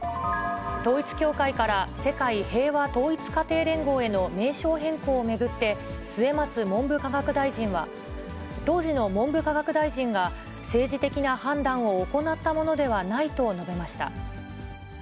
統一教会から世界平和統一家庭連合への名称変更を巡って、末松文部科学大臣は、当時の文部科学大臣が、政治的な判断を行ったものではないと述べました。